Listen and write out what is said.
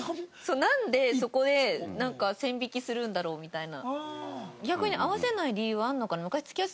なんでそこでなんか線引きするんだろう？みたいな。